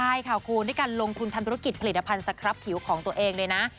ใช่ค่ะคุณด้วยการลงทุนทำธุรกิจผลิตภัณฑ์สครับผิวของตัวเองเลยนะ